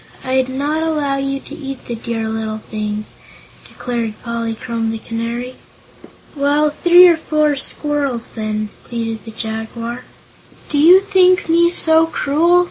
I'd not allow you to eat the dear little things," declared Polychrome the Canary. "Well, three or four squirrels, then," pleaded the Jaguar. "Do you think me so cruel?"